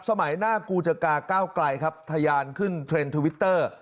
สมัยหน้ากูจกาก้าวไกลครับทะยานขึ้นเทรนด์ทวิตเตอร์